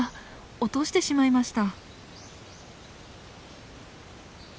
落としてしまいました。